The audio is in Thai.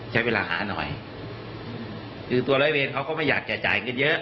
ใช้เวลาหาหน่อยคือตัวร้อยเวรเขาก็ไม่อยากจะจ่ายเงินเยอะ